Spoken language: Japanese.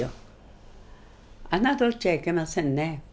あなどっちゃいけませんね